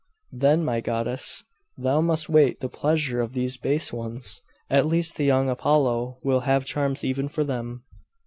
'Then, my goddess, thou must wait the pleasure of these base ones! At least the young Apollo will have charms even for them.